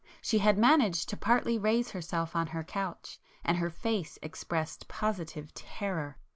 She had managed to partly raise herself on her couch, and her face expressed positive terror.